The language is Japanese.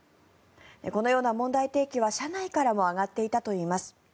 このような問題提起は社内からも上がっていたといいます。